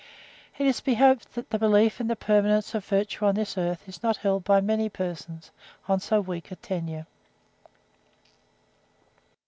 It is to be hoped that the belief in the permanence of virtue on this earth is not held by many persons on so weak a tenure.)